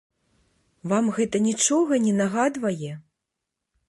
Вам гэта нічога не нагадвае?